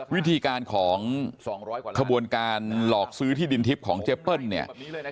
วิธีการของขบวนการหลอกซื้อที่ดินทิพย์ของเจเปิ้ลเนี่ย